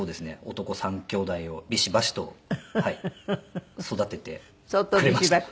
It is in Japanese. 男３兄弟をビシバシと育ててくれました。